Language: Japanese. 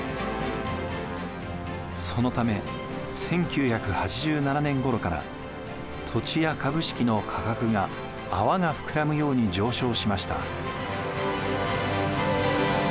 そのため１９８７年ごろから土地や株式の価格が泡が膨らむように上昇しました。